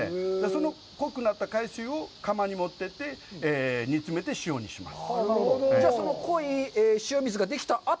その濃くなった海水を釜に持っていって煮詰めて、塩にします。